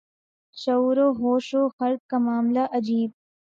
شعور و ہوش و خرد کا معاملہ ہے عجیب